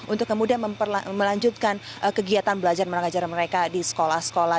untuk kemudian melanjutkan kegiatan belajar mengajar mereka di sekolah sekolah